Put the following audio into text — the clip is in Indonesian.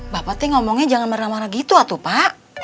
bapak tuh ngomongnya jangan marah marah gitu pak